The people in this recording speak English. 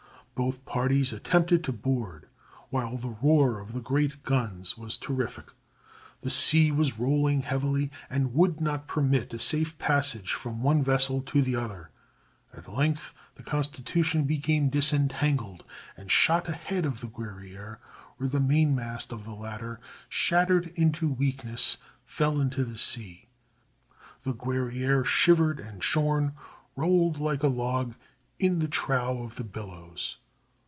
Both parties attempted to board, while the roar of the great guns was terrific. The sea was rolling heavily, and would not permit a safe passage from one vessel to the other. At length the Constitution became disentangled, and shot ahead of the Guerrière, when the mainmast of the latter, shattered into weakness, fell into the sea. The Guerrière, shivered and shorn, rolled like a log in the trough of the billows.